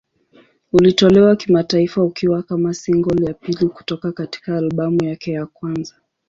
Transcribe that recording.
Ulitolewa kimataifa ukiwa kama single ya pili kutoka katika albamu yake ya kwanza.